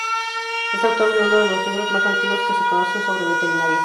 Es autor de uno de los libros más antiguos que se conocen sobre veterinaria.